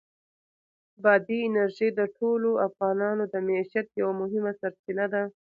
بادي انرژي د ټولو افغانانو د معیشت یوه مهمه سرچینه ده.